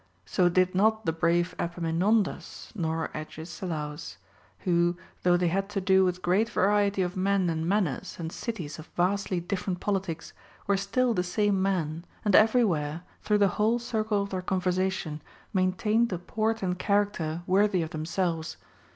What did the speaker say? So did not the brave Epaminondas nor Agesi laus, who, though they had to do with great variety of men and manners, and cities of vastly different politics, were still the same men, and everywhere, through the whole circle of their conversation, maintained a port and charac ter worthy of themselves.